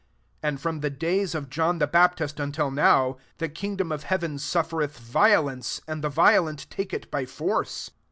12 And from the days of John the Baptist until now, the kingdom of heaven suffereth vi olence, and the violent take it by force.